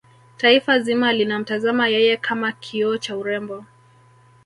taifa zima linamtazama yeye kama kioo cha urembo